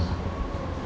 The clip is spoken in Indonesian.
aku harus kuat